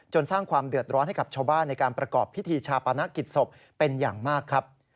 สร้างความเดือดร้อนให้กับชาวบ้านในการประกอบพิธีชาปนกิจศพเป็นอย่างมากครับ